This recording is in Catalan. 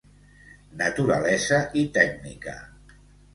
Naturalesa i tècnica.